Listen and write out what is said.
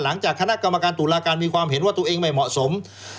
หลังจากคณะกรรมการตุลาการมีความเห็นว่าตัวเองไม่เหมาะสม